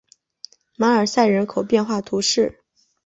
马尔赛人口变化图示